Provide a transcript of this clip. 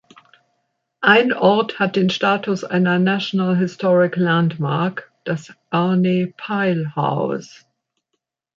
Ein Ort hat den Status einer National Historic Landmark, das Ernie Pyle House.